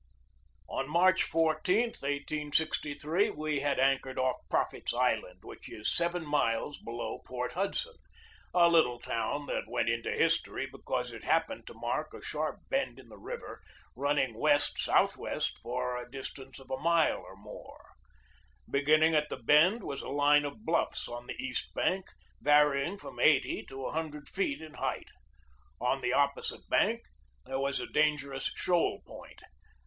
On March 14, 1863, we had anchored off Profit's Island, which is seven miles below Port Hudson, a little town that went into history because it hap pened to mark a sharp bend in the river running THE BATTLE OF PORT HUDSON 87 west southwest for a distance of a mile or more. Beginning at the bend was a line of bluffs on the east bank, varying from eighty to a hundred feet in height. On the opposite bank there was a danger ous shoal point.